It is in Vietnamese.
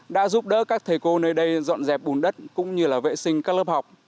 đã giúp đỡ các thầy cô nơi đây dọn dẹp bùn đất cũng như vệ sinh các lớp học